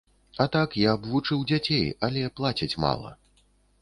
А так я б вучыў дзяцей, але плацяць мала.